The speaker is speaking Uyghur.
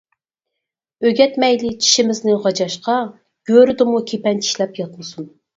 ئۆگەتمەيلى چىشىمىزنى غاجاشقا، گۆرىدىمۇ كېپەن چىشلەپ ياتمىسۇن.